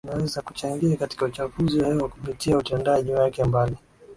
inaweza kuchangia katika uchafuzi wa hewa kupitia utendaji wake mbali